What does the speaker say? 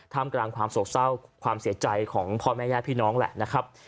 มกลางความโศกเศร้าความเสียใจของพ่อแม่ญาติพี่น้องแหละนะครับ